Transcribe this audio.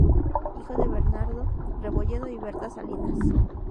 Hijo de Bernardo Rebolledo y Berta Salinas.